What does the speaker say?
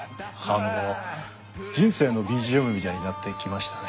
あの人生のＢＧＭみたいになってきましたね。